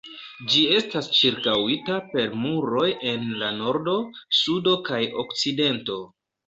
Ĝi estas ĉirkaŭita per muroj en la nordo, sudo kaj okcidento.